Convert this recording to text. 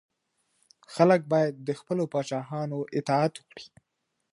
خلګ باید د خپلو پاچاهانو اطاعت وکړي.